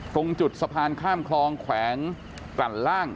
ตรงจุดสะพานข้ามคลองแขวงกลั่นล่าง